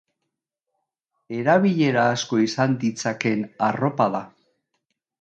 Erabilera asko izan ditzakeen arropa da.